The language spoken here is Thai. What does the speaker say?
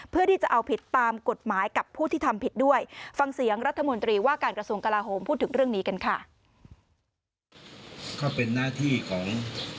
เป็นหน้าที่ของ